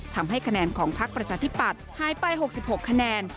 ทำให้คะแนนของพักประชาธิปัตย์หายไป๖๖คะแนน